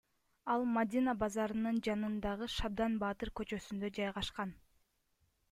Ал Мадина базарынын жанындагы Шабдан баатыр көчөсүндө жайгашкан.